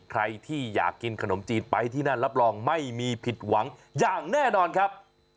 ใครที่อยากกินขนมจีนไปที่นั่นรับรองไม่มีผิดหวังอย่างแน่นอนครับ